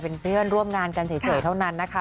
เป็นเพื่อนร่วมงานกันเฉยเท่านั้นนะคะ